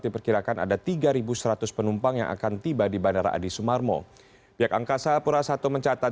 diperkirakan ada tiga ribu seratus penumpang yang akan tiba di bandara adi sumarmo pihak angkasa pura i mencatat